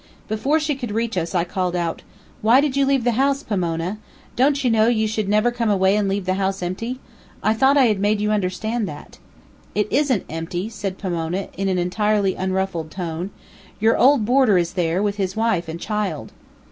Before she could reach us, I called out: "Why did you leave the house, Pomona? Don't you know you should never come away and leave the house empty? I thought I had made you understand that." "It isn't empty," said Pomona, in an entirely unruffled tone. "Your old boarder is there, with his wife and child."